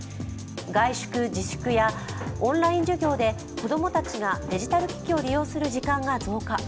外出自粛やオンライン授業で子供たちがデジタル機器を利用する時間が増加。